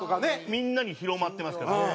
みんなに広まってますから。